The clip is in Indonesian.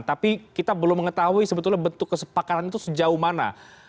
tapi kita belum mengetahui sebetulnya bentuk kesepakatan itu sejauh mana